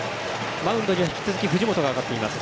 マウンドには引き続き藤本が上がっています。